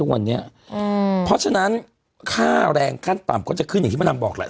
วันนี้เพราะฉะนั้นค่าแรงขั้นต่ำก็จะขึ้นอย่างที่มะดำบอกแหละ